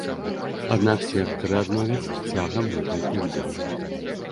Аднак сектары адновяць цягам некалькіх дзён.